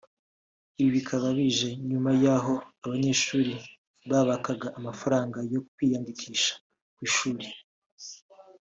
Ibi bikaba bije nyuma yaho abanyeshuri babakaga amafangaranga yo kwiyandikisha ku ishuli